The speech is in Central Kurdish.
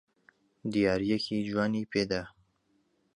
دیارییەکی جوانی پێ دا.